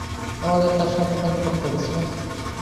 আমাদের তার সাথে দেখা করতে হবে, স্যার।